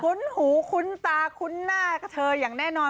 หูคุ้นตาคุ้นหน้ากับเธออย่างแน่นอน